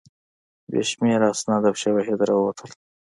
بې شمېره اسناد او شواهد راووتل.